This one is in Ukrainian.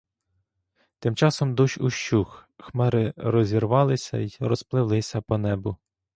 Тим часом дощ ущух, хмари розірвалися й розпливлися по небу.